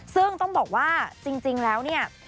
ซึ่งต้องบอกว่าจริงแล้วเนี่ย